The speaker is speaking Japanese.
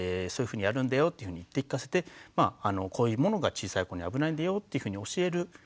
そういうふうにやるんだよって言って聞かせてこういうものが小さい子に危ないんだよっていうふうに教える。